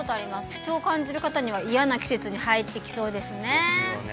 不調感じる方には嫌な季節に入ってきそうですねですよね